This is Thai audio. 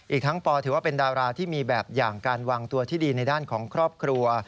อีกทั้งปถือว่าเป็นดาราที่มีแบบอย่างการวางตัวที่ดีในด้านของครอบครัว